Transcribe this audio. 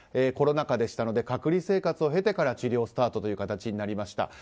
コロナ禍でしたので隔離生活を経てからの治療スタートになりました。